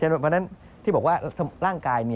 เพราะฉะนั้นที่บอกว่าร่างกาย